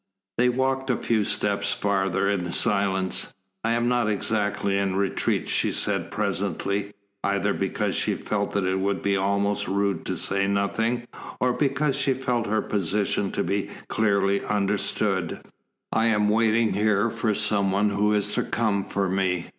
They walked a few steps farther in silence. "I am not exactly in retreat," she said presently, either because she felt that it would be almost rude to say nothing, or because she wished her position to be clearly understood. "I am waiting here for some one who is to come for me."